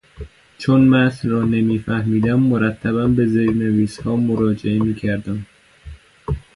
چون متن را نمی فهمیدم مرتبا به زیرنویسها مراجعه میکردم.